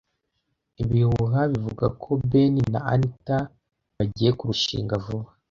Ibihuha bivuga ko Ben na Anita bagiye kurushinga vuba.